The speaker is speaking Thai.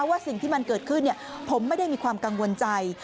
ว่าสิ่งที่มันเกิดขึ้นผมไม่ได้มีความกังวลใจ